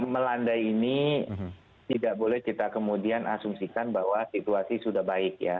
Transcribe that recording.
melandai ini tidak boleh kita kemudian asumsikan bahwa situasi sudah baik ya